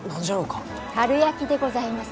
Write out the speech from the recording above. かるやきでございます。